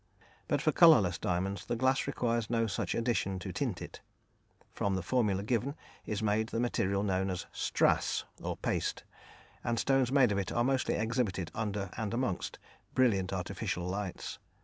But for colourless diamonds, the glass requires no such addition to tint it. From the formula given is made the material known as "strass," or "paste," and stones made of it are mostly exhibited under and amongst brilliant artificial lights.